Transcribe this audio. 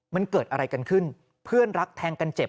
มันเกิดอะไรกันขึ้นเพื่อนรักแทงกันเจ็บ